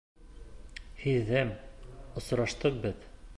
Һиҙәм, осраштыҡ беҙ.